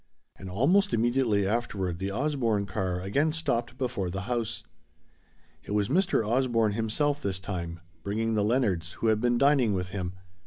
And almost immediately afterward the Osborne car again stopped before the house. It was Mr. Osborne himself this time, bringing the Leonards, who had been dining with him.